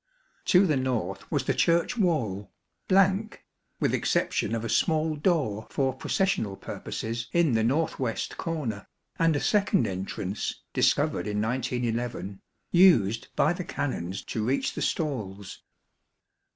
To the north was the Church wall, blank, with exception of a small door for processional purposes in the north west corner, and a second entrance, discovered in 1911, used by the Canons to reach the stalls.